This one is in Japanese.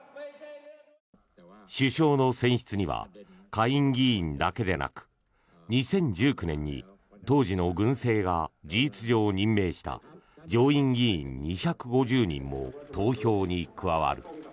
首相の選出には下院議員だけでなく２０１９年に当時の軍政が事実上任命した上院議員２５０人も投票に加わる。